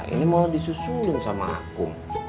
ini malah disusun sama aku